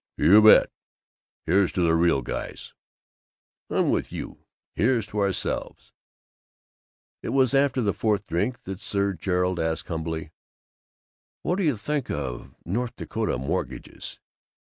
"You bet. Here's to the real guys!" "I'm with you! Here's to ourselves!" It was after the fourth drink that Sir Gerald asked humbly, "What do you think of North Dakota mortgages?"